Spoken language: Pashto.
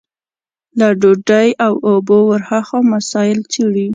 له ډوډۍ او اوبو ورها مسايل څېړي.